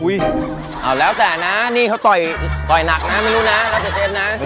อย่าแล้วแต่นี่เขาต่อยหนักนะไม่รู้นะ